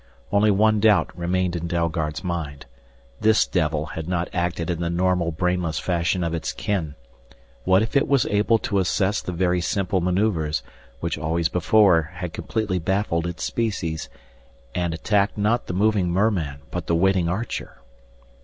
Only one doubt remained in Dalgard's mind. This devil had not acted in the normal brainless fashion of its kin. What if it was able to assess the very simple maneuvers, which always before had completely baffled its species, and attacked not the moving merman but the waiting archer?